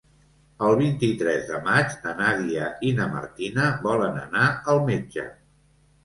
El vint-i-tres de maig na Nàdia i na Martina volen anar al metge.